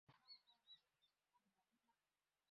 ডাক না তাকে!